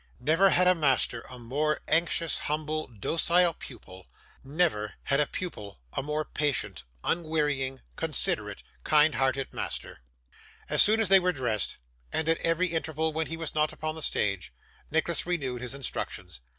Never had master a more anxious, humble, docile pupil. Never had pupil a more patient, unwearying, considerate, kindhearted master. As soon as they were dressed, and at every interval when he was not upon the stage, Nicholas renewed his instructions.